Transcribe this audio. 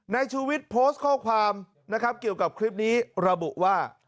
ชูวิทย์โพสต์ข้อความนะครับเกี่ยวกับคลิปนี้ระบุว่า